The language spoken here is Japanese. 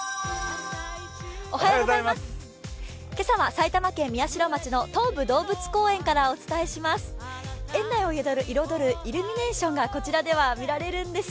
今朝は埼玉県宮代町の東武動物公園からお伝えします。